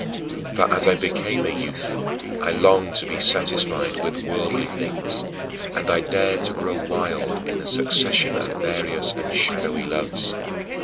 " For as I became a youth, I longed to be satisfied with worldly things, and I dared to grow wild in a succession of various and shadowy loves.